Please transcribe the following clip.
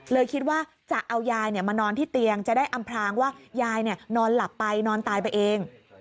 เลยคิดว่าจะเอายายมานอนที่เตียงจะได้อำพลางว่ายายนอนหลับไปนอนตายไปเอง